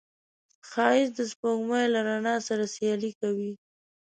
ښایست د سپوږمۍ له رڼا سره سیالي کوي